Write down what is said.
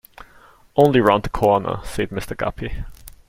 "Only round the corner," said Mr. Guppy.